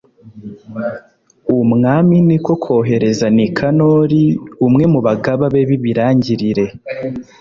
umwami ni ko kohereza nikanori, umwe mu bagaba be b'ibirangirire